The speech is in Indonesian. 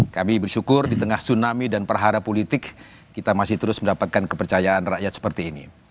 kami bersyukur di tengah tsunami dan perhara politik kita masih terus mendapatkan kepercayaan rakyat seperti ini